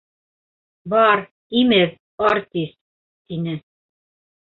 -Бар, имеҙ, артист!- тине.